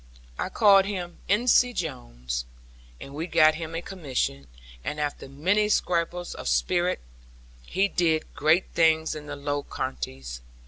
I called him Ensie Jones; and we got him a commission, and after many scrapes of spirit, he did great things in the Low Countries.